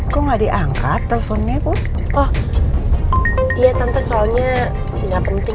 kok gak diangkat teleponnya bu oh iya tante soalnya gak penting